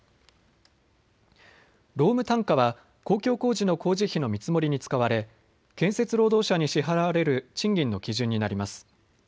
労務単価は公共工事の工事費の見積もりに使われ建設労働者に支払われる賃金の基準になります。